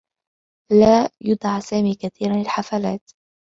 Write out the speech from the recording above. لا يُدعى سامي كثيرا للحفلات.